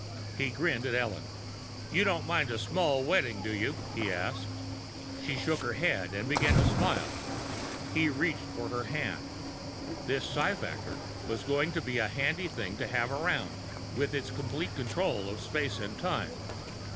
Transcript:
He grinned at Ellen. "You don't mind a small wedding, do you?" he asked. She shook her head, beginning to smile. He reached for her hand. This psi factor was going to be a handy thing to have around, with its complete control of space and time.